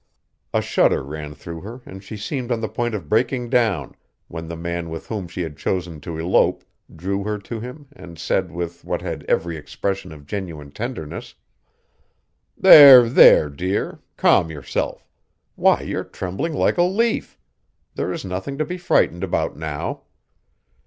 A shudder ran through her and she seemed on the point of breaking down when the man with whom she had chosen to elope drew her to him and said with what had every expression of genuine tenderness: "There, there, dear! Calm yourself. Why, you're trembling like a leaf. There is nothing to be frightened about now."